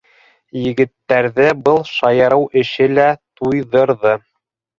Егеттәрҙе был шаярыу эше лә туйҙырҙы.